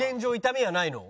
痛みはないの？